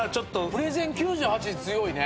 プレゼン９８強いね。